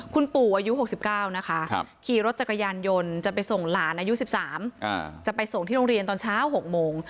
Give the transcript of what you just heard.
คุณปู่อายุ๖๙นะคะขี่รถจักรยานยนต์จะไปส่งหลานอายุ๑๓จะไปส่งที่โรงเรียนตอนเช้า๖โมง